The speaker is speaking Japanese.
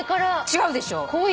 違うでしょ？